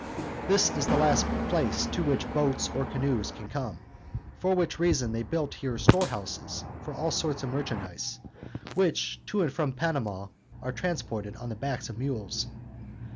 This is the last place to which boats or canoes can come; for which reason they built here storehouses for all sorts of merchandise, which to and from Panama are transported on the backs of mules.